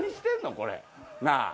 これ。なあ。